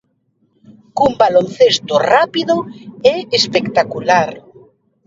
Cun baloncesto rápido e espectacular.